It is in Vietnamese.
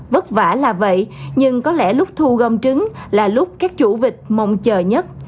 vất vả là vậy nhưng có lẽ lúc thu gom trứng là lúc các chủ vịt mong chờ nhất